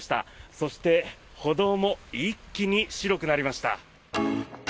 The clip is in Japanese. そして、歩道も一気に白くなりました。